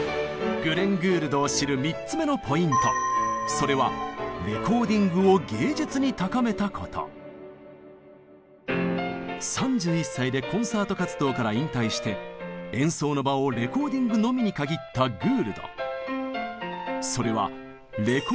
それは３１歳でコンサート活動から引退して演奏の場をレコーディングのみに限ったグールド。